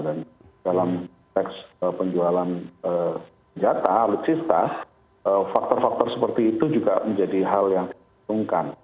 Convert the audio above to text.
dan dalam seks penjualan senjata alutsista faktor faktor seperti itu juga menjadi hal yang dihitungkan